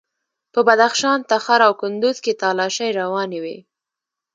په بدخشان، تخار او کندوز کې تالاشۍ روانې وې.